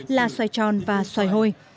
là xoài tròn và xoài hôi